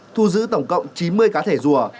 thu giữ tổng cộng chín mươi cá thể rùa